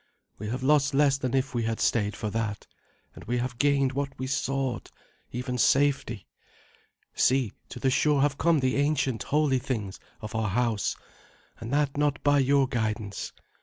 We have lost less than if we had stayed for that, and we have gained what we sought, even safety. See, to the shore have come the ancient holy things of our house, and that not by your guidance.